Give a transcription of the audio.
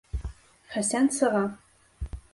Хәсән сыға.